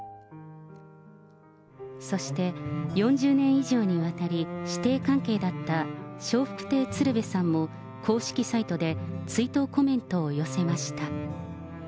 そして、４０年以上にわたり、師弟関係だった笑福亭鶴瓶さんも、公式サイトで追悼コメントを寄せました。